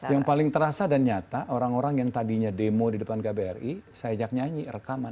yang paling terasa dan nyata orang orang yang tadinya demo di depan kbri saya ajak nyanyi rekaman